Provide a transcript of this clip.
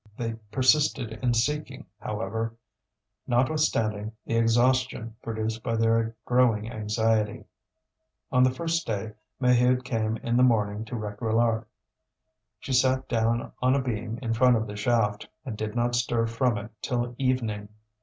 They persisted in seeking, however, notwithstanding the exhaustion produced by their growing anxiety. On the first day, Maheude came in the morning to Réquillart. She sat down on a beam in front of the shaft, and did not stir from it till evening.